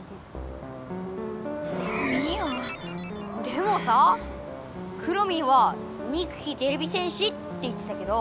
でもさくろミンはにくきてれび戦士って言ってたけど。